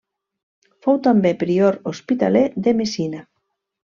Fou també prior hospitaler de Messina.